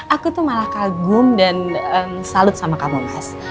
aku tuh malah kagum dan salut sama kamu mas